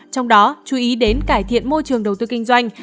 trong đó chú ý đến cải thiện môi trường đầu tư kinh doanh